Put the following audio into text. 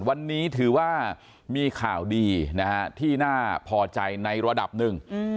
วันนี้ถือว่ามีข่าวดีนะฮะที่น่าพอใจในระดับหนึ่ง